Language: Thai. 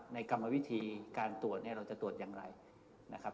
กรรมวิธีการตรวจเนี่ยเราจะตรวจอย่างไรนะครับ